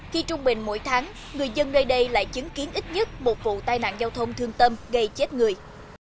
khi trung bình mỗi tháng người dân nơi đây lại chứng kiến ít nhất một vụ tai nạn giao thông thương tâm gây chết người